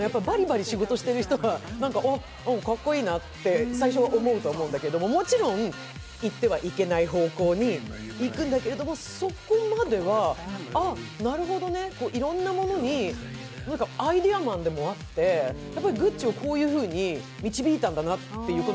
バリバリ仕事してる人が、かっこいいなって最初思うと思うんだけどもちろん行ってはいけない方向に行くんだけれども、そこまでは、あなるほどね、いろんなものにアイデアマンでもあって、グッチをこういうふうに導いたんだなって。